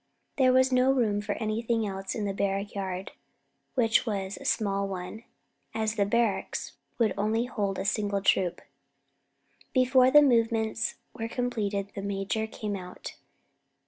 There was no room for anything else in the barrack yard, which was a small one, as the barracks would only hold a single troop. Before the movements were completed, the major came out.